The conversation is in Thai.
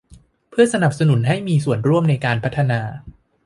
เพื่อสนับสนุนให้มีส่วนร่วมในการพัฒนา